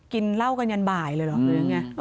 กินเหล้ากันยันบ่ายเลยหรอ